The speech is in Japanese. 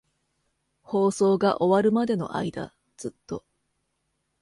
放送が終わるまでの間、ずっと。